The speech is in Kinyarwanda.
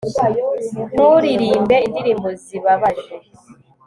nturirimbe indirimbo zibabaje